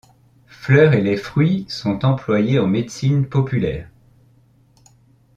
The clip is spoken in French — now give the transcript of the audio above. Fleurs et les fruits sont employés en médecine populaire.